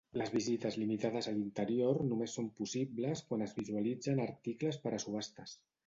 Les visites limitades a l'interior només són possibles quan es visualitzen articles per a subhastes.